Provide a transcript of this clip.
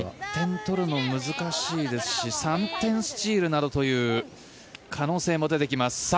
１点取るのが難しいですし３点スチールなどという可能性も出てきます。